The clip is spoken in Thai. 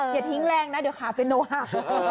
อย่าทิ้งแรงนะเดี๋ยวขาเพียโนหลับ